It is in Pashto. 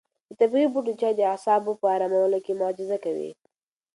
د طبیعي بوټو چای د اعصابو په ارامولو کې معجزه کوي.